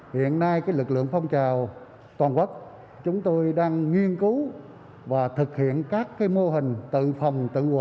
hiện nay lực lượng phong trào toàn quốc chúng tôi đang nghiên cứu và thực hiện các mô hình tự phòng tự nguyện